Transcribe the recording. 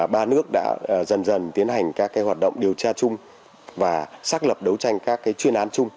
ba nước đã dần dần tiến hành các hoạt động điều tra chung và xác lập đấu tranh các chuyên án chung